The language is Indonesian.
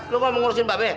lo gak mau ngurusin mbak be